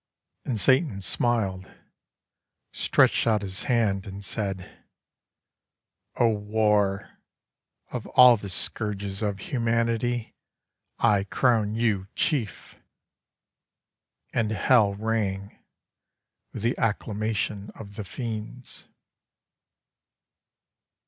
And Satan smiled, stretched out his hand, and said, "O War, of all the scourges of humanity, I crown you chief." And Hell rang with the acclamation of the Fiends.